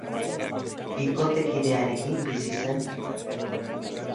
Bikotekidearekin bizi zen bertan.